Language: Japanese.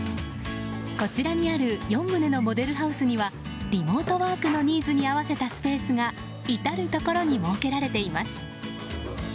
こちらにある４棟のモデルハウスにはリモートワークのニーズに合わせたスペースが至るところに設けられています。